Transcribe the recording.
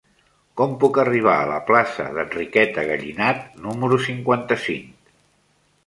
Com puc arribar a la plaça d'Enriqueta Gallinat número cinquanta-cinc?